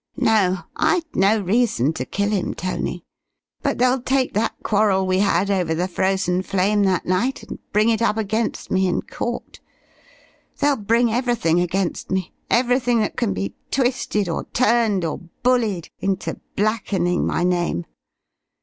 "No, I'd no reason to kill him, Tony. But they'll take that quarrel we had over the Frozen Flame that night, and bring it up against me in court. They'll bring everything against me; everything that can be twisted or turned or bullied into blackening my name.